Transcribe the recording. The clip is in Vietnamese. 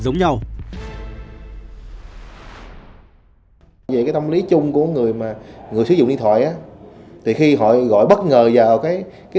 nhau về cái tâm lý chung của người mà người sử dụng điện thoại á thì khi họ gọi bất ngờ vào cái cái